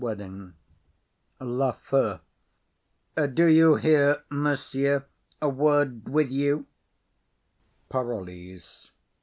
Do you hear, monsieur? A word with you. PAROLLES.